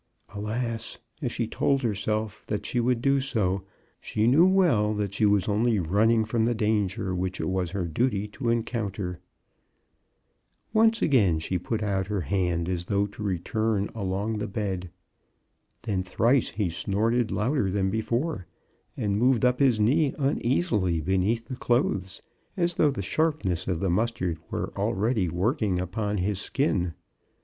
Alas ! as she told her self that she would do so, she knew well that she was only running from the danger which it was her duty to encounter. Once again she put out her hand as though to return along the bed. Then thrice he snorted louder than before, and moved up his knee un easily beneath the clothes as though the sharp ness of the mustard were already working MRS. brown's failure. 2/ upon his skin.